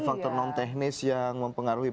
faktor non teknis yang mempengaruhi